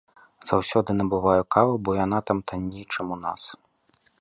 Заўсёды набываю каву, бо яна там танней, чым у нас.